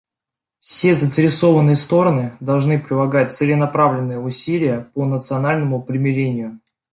Все заинтересованные стороны должны прилагать целенаправленные усилия по национальному примирению.